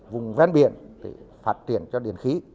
vùng ven biển thì phát triển cho điện khí